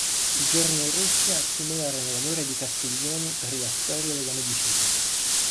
I giorni in Russia stimolarono l'amore di Castiglioni per la storia della medicina.